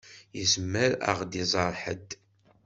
Izmer ad ɣ-d-iẓeṛ ḥedd.